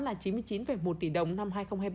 là chín mươi chín một tỷ đồng năm hai nghìn hai mươi ba